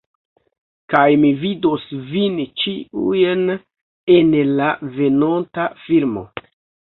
Kaj mi vidos vin ĉiujn en la venonta filmo